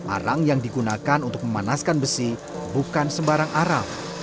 arang yang digunakan untuk memanaskan besi bukan sembarang arab